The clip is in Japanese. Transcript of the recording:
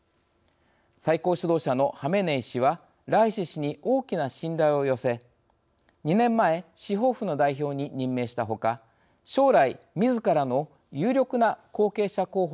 最高指導者のハメネイ師はライシ師に大きな信頼を寄せ２年前司法府の代表に任命したほか将来自らの有力な後継者候補と見ているようです。